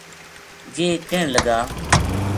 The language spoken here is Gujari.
یہ کہن لگا